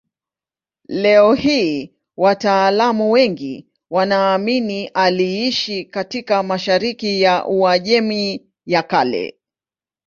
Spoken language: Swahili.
Leo hii wataalamu wengi wanaamini aliishi katika mashariki ya Uajemi ya Kale.